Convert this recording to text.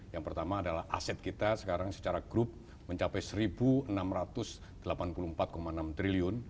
yang pertama adalah aset kita sekarang secara grup mencapai rp satu enam ratus delapan puluh empat enam triliun